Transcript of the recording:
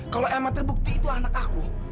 kalau emang terbukti itu anak aku